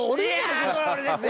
いやこれ俺ですよ。